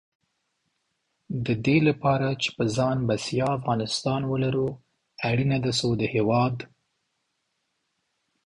د دې لپاره چې په ځان بسیا افغانستان ولرو، اړینه ده څو د هېواد